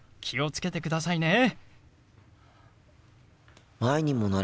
気を付けてくださいね。